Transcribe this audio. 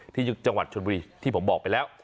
ที่จังหวัดชนบุรีที่ผมบอกไปแล้ว